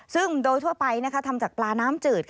ซึ่งโดยทั่วไปทำจากปลาน้ำจืด